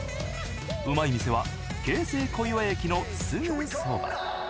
うまい店は京成小岩駅のすぐそば。